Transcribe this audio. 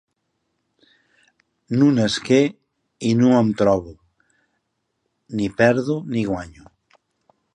Nu nasqué i nu em trobo; ni perdo ni guanyo.